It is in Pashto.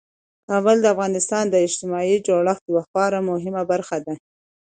کابل د افغانستان د اجتماعي جوړښت یوه خورا مهمه برخه ده.